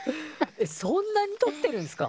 そんなにとってるんすか？